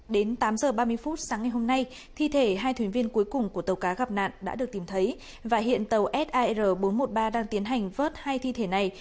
đến tám h ba mươi phút sáng ngày hôm nay thi thể hai thuyền viên cuối cùng của tàu cá gặp nạn đã được tìm thấy và hiện tàu sar bốn trăm một mươi ba đang tiến hành vớt hai thi thể này